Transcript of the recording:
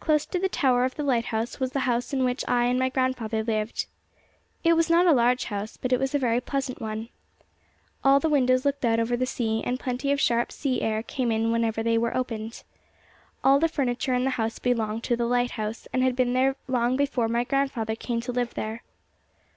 Close to the tower of the lighthouse was the house in which I and my grandfather lived. It was not a large house, but it was a very pleasant one. All the windows looked out over the sea, and plenty of sharp sea air came in whenever they were opened. All the furniture in the house belonged to the lighthouse, and had been there long before my grandfather came to live there.